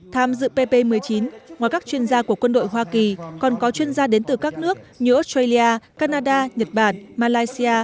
tham dự pp một mươi chín ngoài các chuyên gia của quân đội hoa kỳ còn có chuyên gia đến từ các nước như australia canada nhật bản malaysia